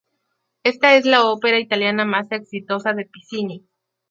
Esta es la ópera italiana más exitosa de Piccinni.